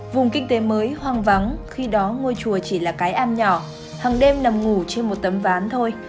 vùng kinh tế mới hoang vắng khi đó ngôi chùa chỉ là cái am nhỏ hằng đêm nằm ngủ trên một tấm ván thôi